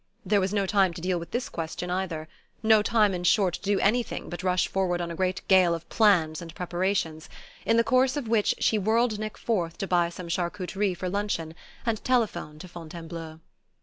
There was no time to deal with this question either; no time, in short, to do anything but rush forward on a great gale of plans and preparations, in the course of which she whirled Nick forth to buy some charcuterie for luncheon, and telephone to Fontainebleau.